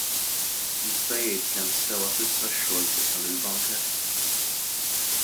Jista' jgħid kemm sewa s'issa x-xogħol fuq dan il-bunker?